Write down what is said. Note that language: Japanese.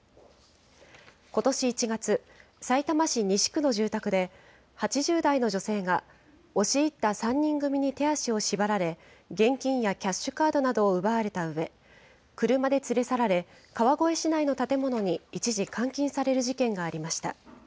ことし１月、さいたま市西区の住宅で、８０代の女性が、押し入った３人組に手足を縛られ、現金やキャッシュカードなどを奪われたうえ、車で連れ去られ、川越市内の建物に一時、監禁される事件がありました。